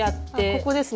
ここです？